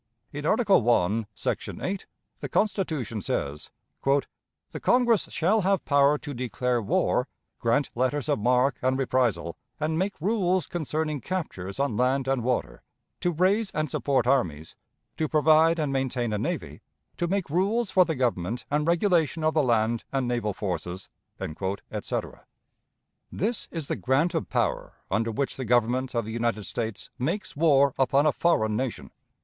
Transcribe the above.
In Article I, section 8, the Constitution says: "The Congress shall have power to declare war, grant letters of marque and reprisal, and make rules concerning captures on land and water; to raise and support armies; to provide and maintain a navy; to make rules for the government and regulation of the land and naval forces," etc. This is the grant of power under which the Government of the United States makes war upon a foreign nation.